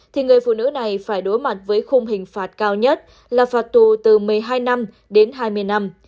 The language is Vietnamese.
thì người phụ nữ này phải đối mặt với khung hình phạt cao nhất là phạt tù từ một mươi hai năm đến hai mươi năm